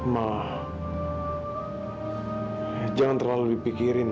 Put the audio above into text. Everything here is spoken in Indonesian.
ma jangan terlalu dipikirin ma